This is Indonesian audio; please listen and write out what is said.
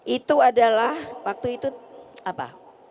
itu adalah waktu itu apa